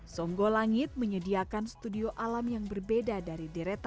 songgolangit menyediakan studio alam yang berbeda dari deretan